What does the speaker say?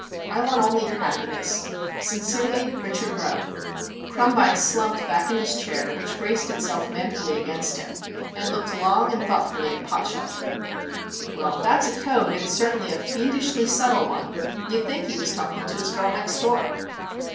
I want only your happiness._ Sincerely, Richard Rowe Krumbine slumped back in his chair, which braced itself manfully against him, and looked long and thoughtfully at Potshelter. "Well, if that's a code, it's certainly a fiendishly subtle one. You'd think he was talking to his Girl Next Door."